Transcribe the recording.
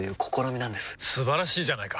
素晴らしいじゃないか！